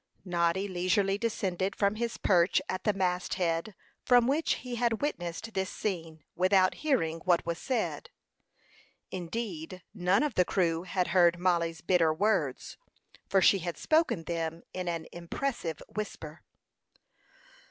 Noddy leisurely descended from his perch at the mast head, from which he had witnessed this scene without hearing what was said; indeed, none of the crew had heard Mollie's bitter words, for she had spoken them in an impressive whisper.